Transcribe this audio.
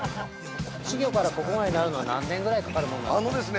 稚魚からここまでになるのは何年ぐらいかかるものなんですか。